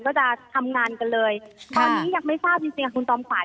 ก็จะทำงานกันเลยตอนนี้ยังไม่ทราบจริงจริงคุณจอมขวาน